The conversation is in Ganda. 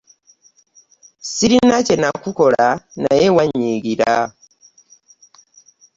Sirina kyenakukola naye wanyiigira.